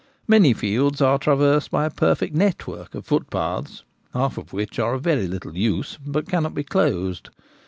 Many fields are traversed by a perfect network of footpaths, half of which are of very little use but cannot be closed.